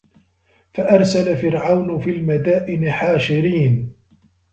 فَأَرسَلَ فِرعَونُ فِي المَدائِنِ حاشِرينَ